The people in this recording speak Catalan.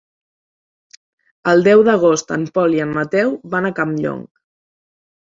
El deu d'agost en Pol i en Mateu van a Campllong.